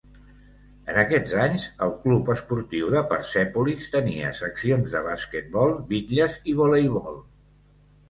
En aquests anys el Club Esportiu de Persèpolis tenia seccions de basquetbol, bitlles i voleibol.